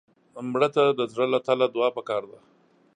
مړه ته د زړه له تله دعا پکار ده